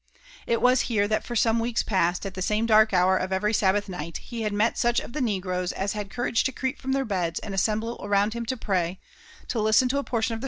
It was here that for some weeks past, at the same dark hour of every Sabbath night, he had met such of the Negroes as had courage to creep from their beds and as mnMe ^nwnA Urn to fmy, to liflten to a portion ef i)ie